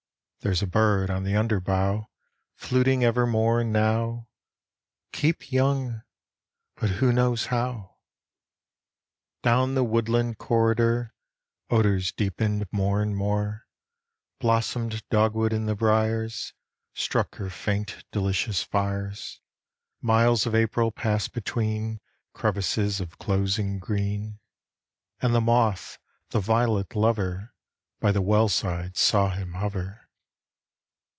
(There 's a bird on the under bough Fluting evermore and now: "Keep young!" but who knows how?) Down the woodland corridor, Odors deepened more and more; Blossomed dogwood, in the briers, Struck her faint delicious fires; Miles of April passed between Crevices of closing green, And the moth, the violet lover, By the wellside saw him hover.